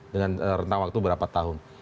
dengan rentang waktu berapa tahun